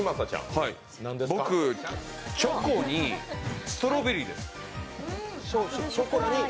僕、チョコにストロベリーです。